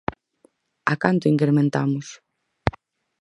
¿A canto incrementamos?